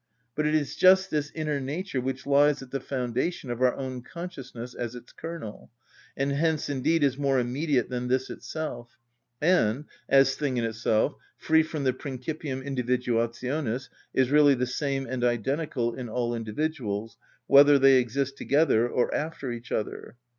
But it is just this inner nature which lies at the foundation of our own consciousness as its kernel, and hence indeed is more immediate than this itself, and, as thing in itself, free from the principium individuationis, is really the same and identical in all individuals, whether they exist together or after each other.